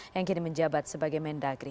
yang kini menjabat sebagai mendagri